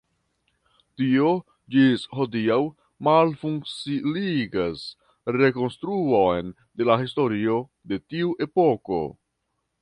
Tio ĝis hodiaŭ malfaciligas rekonstruon de la historio de tiu epoko.